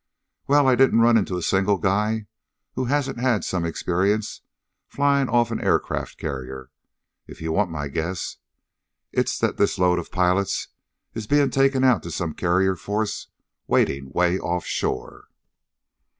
"Well, I didn't run into a single guy who hasn't had some experience flying off an aircraft carrier. If you want my guess, it's that this load of pilots is being taken out to some carrier force waiting way off shore."